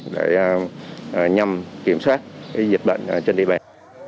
để nhằm kiểm soát dịch bệnh trên địa bàn